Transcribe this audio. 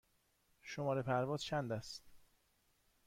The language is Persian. شماره پرواز چند است؟